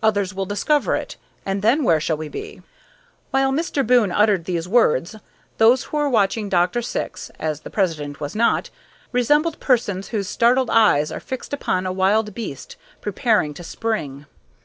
Others will discover it, and then where shall we be?" While Mr. Boon uttered these words, those who were watching Dr. Syx (as the president was not) resembled persons whose startled eyes are fixed upon a wild beast preparing to spring.